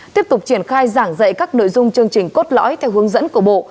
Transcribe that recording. tiếp tục triển khai giảng dạy các nội dung chương trình cốt lõi theo hướng dẫn của bộ